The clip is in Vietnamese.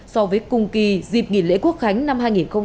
so với cùng kỳ dịp nghỉ lễ quốc khánh năm hai nghìn hai mươi ba